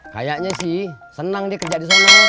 kayaknya sih senang nih kerja disana